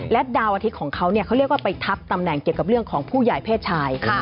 ดาวอาทิตย์ของเขาเขาเรียกว่าไปทับตำแหน่งเกี่ยวกับเรื่องของผู้ใหญ่เพศชาย